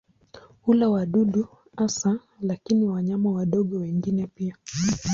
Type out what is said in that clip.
Hula wadudu hasa lakini wanyama wadogo wengine pia.